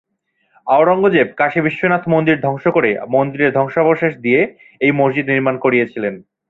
আওরঙ্গজেব কাশী বিশ্বনাথ মন্দির ধ্বংস করে মন্দিরের ধ্বংসাবশেষ দিয়ে এই মসজিদ নির্মাণ করিয়েছিলেন।